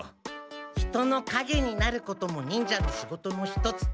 人のかげになることも忍者の仕事の一つ。